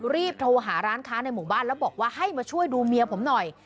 รีบโทรหาร้านค้าในหมู่บ้านแล้วบอกว่าให้มาช่วยดูเมียผมหน่อย